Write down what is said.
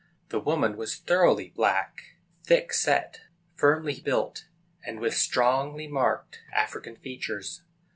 The woman was thoroughly black, thick set, firmly built, and with strongly marked African features.